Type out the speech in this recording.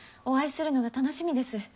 お会いするのが楽しみです。